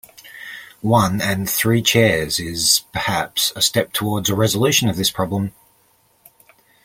"One and Three Chairs" is, perhaps, a step towards a resolution of this problem.